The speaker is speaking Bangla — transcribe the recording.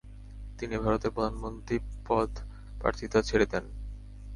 তিনি ভারতের প্রধানমন্ত্রী পদ প্রার্থিতা ছেড়ে দেন।